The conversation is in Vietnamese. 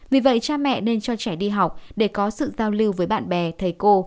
vì vậy cha mẹ nên cho trẻ đi học để có sự giao lưu với bạn bè thầy cô